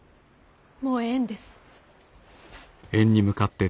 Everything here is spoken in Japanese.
もうええんです。